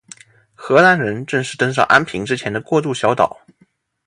荷兰人正式登上安平之前的过渡小岛。